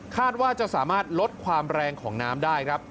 คาดว่าจะสามารถลดความแรงของน้ำได้ครับ